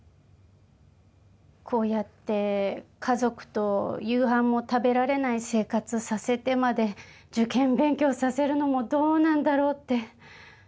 こうやって家族と夕飯も食べられない生活させてまで受験勉強させるのもどうなんだろうって。